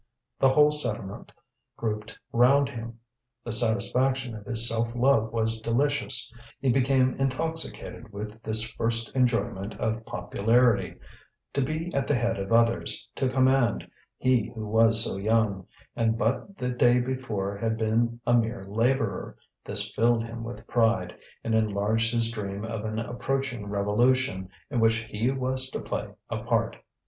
The whole settlement grouped round him. The satisfaction of his self love was delicious; he became intoxicated with this first enjoyment of popularity; to be at the head of others, to command, he who was so young, and but the day before had been a mere labourer, this filled him with pride, and enlarged his dream of an approaching revolution in which he was to play a part.